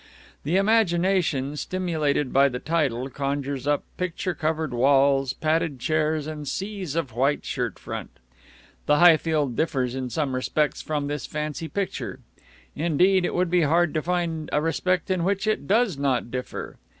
The imagination, stimulated by the title, conjures up picture covered walls, padded chairs, and seas of white shirt front. The Highfield differs in some respects from this fancy picture. Indeed, it would be hard to find a respect in which it does not differ.